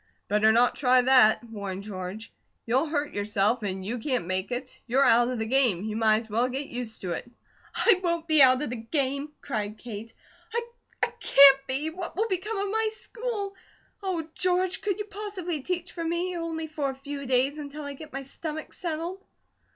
"Better not try that!" warned George. "You'll hurt yourself, and you can't make it. You're out of the game; you might as well get used to it." "I won't be out of the game!" cried Kate. "I can't be! What will become of my school? Oh, George, could you possibly teach for me, only for a few days, until I get my stomach settled?"